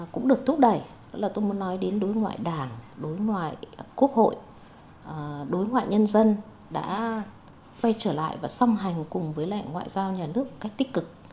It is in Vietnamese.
cũng được thúc đẩy tôi muốn nói đến đối ngoại đảng đối ngoại quốc hội đối ngoại nhân dân đã quay trở lại và song hành cùng với lại ngoại giao nhà nước một cách tích cực